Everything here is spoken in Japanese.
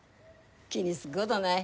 気にすっこどない。